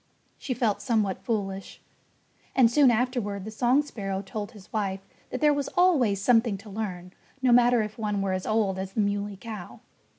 She felt somewhat foolish. And soon afterward the song sparrow told his wife that there was always something to learn, no matter if one were as old as the Muley Cow.